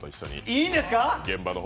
いいんですか！？